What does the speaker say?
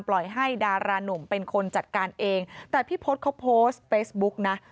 ปล่อยให้ดารานุ่มเป็นคนจัดการเองแต่พี่พศเขาโพสต์เฟซบุ๊กนะ